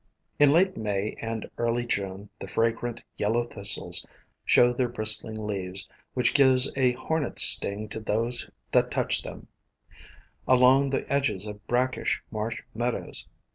In late May and early June the fragrant Yellow Thistles show their bristling leaves, which give a hornet's sting to those that touch them, along the edges of brackish marsh meadows.